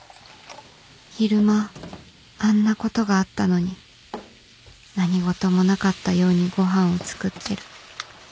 昼間あんなことがあったのに何事もなかったようにご飯を作ってる